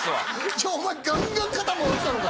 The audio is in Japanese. じゃあお前ガンガン肩回したのか